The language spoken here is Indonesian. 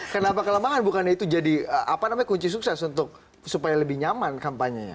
kenapa kelemahannya bukannya itu jadi apa namanya kunci sukses untuk supaya lebih nyaman kampanye nya